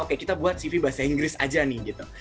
oke kita buat cv bahasa inggris aja nih gitu